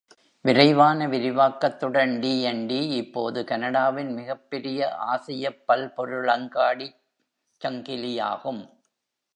விரைவான விரிவாக்கத்துடன், T and T இப்போது கனடாவின் மிகப்பெரிய ஆசியப் பல்பொருளங்காடிச் சங்கிலியாகும்.